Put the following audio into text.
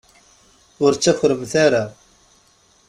Ur ttakremt ara.